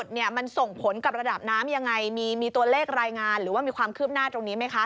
มันส่งผลกับระดับน้ำยังไงมีตัวเลขรายงานหรือว่ามีความคืบหน้าตรงนี้ไหมคะ